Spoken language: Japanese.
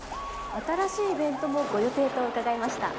新しいイベントもご予定と伺いました。